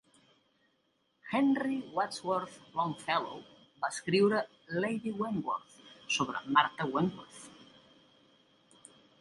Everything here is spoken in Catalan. Henry Wadsworth Longfellow va escriure "Lady Wentworth" sobre Martha Wentworth.